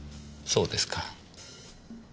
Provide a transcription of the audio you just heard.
そうですか。